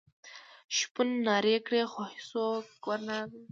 شپون نارې کړې خو څوک ور نه غلل.